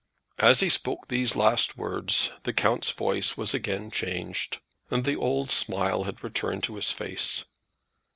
As he spoke these last words the count's voice was again changed, and the old smile had returned to his face.